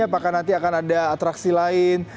apakah nanti akan ada atraksi lain